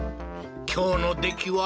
今日の出来は？